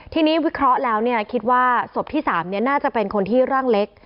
ทีนี้วิเคราะห์แล้วคิดว่าศพที่๓น่าจะเป็นคนที่ร่างเล็ก